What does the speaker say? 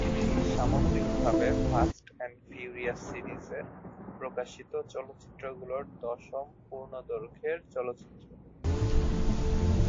সামগ্রিকভাবে fast and furious সিরিজের প্রকাশিত চলচ্চিত্রগুলোর দশম পূর্ণ দৈর্ঘ্যের চলচ্চিত্র।